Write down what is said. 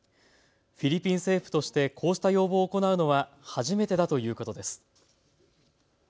フィリピン政府としてこうした要望を行うのは初めてだということです。